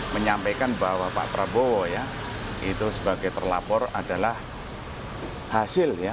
menyampaikan bahwa pak prabowo ya itu sebagai terlapor adalah hasil ya